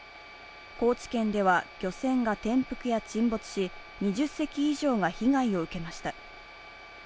高知県では漁船が転覆や沈没し、２０隻以上が被害を受けました。